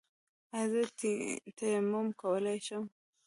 ایا زه تیمم کولی شم؟